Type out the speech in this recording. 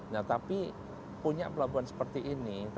nah tapi punya pelabuhan seperti ini